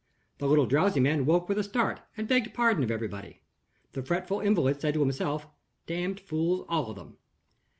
The little drowsy man woke with a start, and begged pardon of everybody. The fretful invalid said to himself, "Damned fools, all of them!"